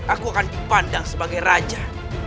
aku akan dipandang sebagai raja